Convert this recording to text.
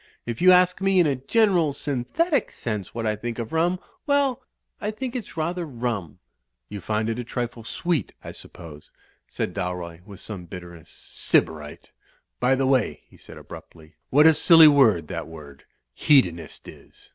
If you ask me in a general, synthetic sense what I think of rum — well, I think it's rather rum." "You find it a trifle sweet, I suppose," said Dalroy, with some bitterness. "Sybarite! By the way," he said abruptly, "what a silly word that word 'Hedonist' is!